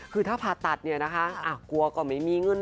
คือถ้าผ่าตัดอ่ากลัวก็ไม่มีเงิน